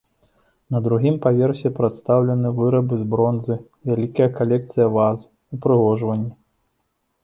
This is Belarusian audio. На другім паверсе прадстаўлены вырабы з бронзы, вялікая калекцыя ваз, упрыгожванні.